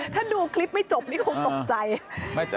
ถ้าดูคลิปไม่จบนี่คงตกใจ